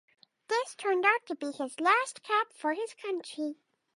This turned out to be his last cap for his country.